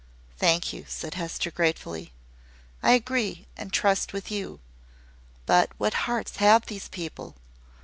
"Thank you," said Hester, gratefully. "I agree and trust with you: but what hearts have these people?